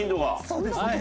そうですね。